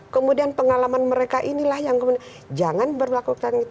kemudian pengalaman mereka inilah yang kemudian